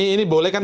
ini boleh kan